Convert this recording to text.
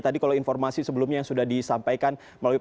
tadi kalau informasi sebelumnya sudah disampaikan